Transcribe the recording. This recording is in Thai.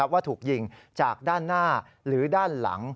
ว่าถูกยิงจากด้านหน้าหรือด้านหลัง